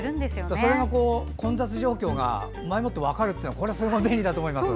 それが混雑状況が前もって分かるというのは便利だと思います。